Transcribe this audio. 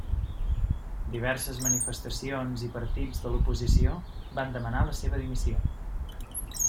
Diverses manifestacions i partits de l'oposició van demanar la seva dimissió.